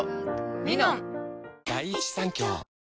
「ミノン」